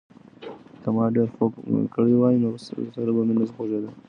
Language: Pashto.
که ما ډېر خوب کړی وای، نو سر به مې نه خوږېده.